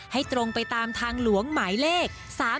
ให้ตรงไปตามทางหลวงหมายเลข๓๓